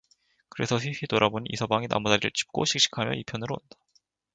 그래서 휘휘 돌아보니 이서방이 나무다리를 짚고 씩씩하며 이편으로 온다.